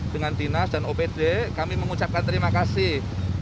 dengan dinas dan opd kami mengucapkan terima kasih